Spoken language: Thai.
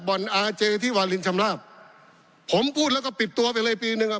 อาเจที่วาลินชำลาบผมพูดแล้วก็ปิดตัวไปเลยปีหนึ่งอ่ะ